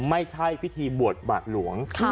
ไม่ใช่พิธีบวชบาทหลวง